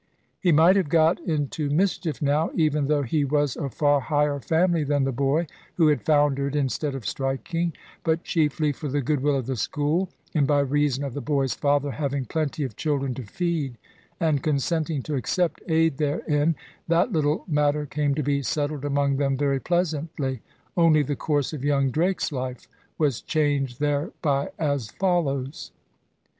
He might have got into mischief now, even though he was of far higher family than the boy who had foundered instead of striking; but chiefly for the goodwill of the school, and by reason of the boy's father having plenty of children still to feed, and consenting to accept aid therein, that little matter came to be settled among them very pleasantly. Only the course of young Drake's life was changed thereby, as follows.